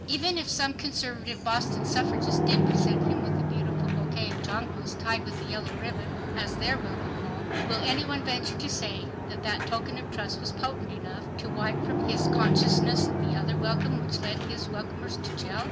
Even if some conservative Boston suffragists did present him with a beautiful bouquet of jonquils tied with a yellow ribbon, as their welcome home, will any one venture to say that that token of trust was potent enough to wipe from his consciousness the other welcome which led his welcomers to jail?